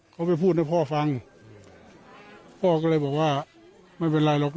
เขาไปพูดให้พ่อฟังพ่อก็เลยบอกว่าไม่เป็นไรหรอก